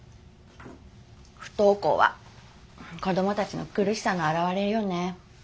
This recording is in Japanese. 不登校は子供たちの苦しさの表れよね。